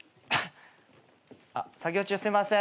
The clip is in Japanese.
作業中すいません。